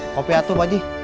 kopi atuh pak ji